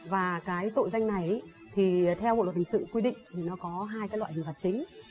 và cái tội danh này thì theo bộ thành sự quy định thì nó có hai loại hình phạt chính